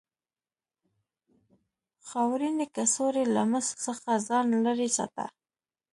خاورینې کڅوړې له مسو څخه ځان لرې ساته.